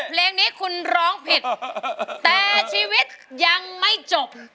เพลงนี้คุณร้องผิดแต่ชีวิตยังไม่จบ